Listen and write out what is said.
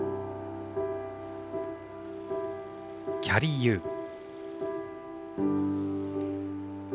「キャリー・ユー」。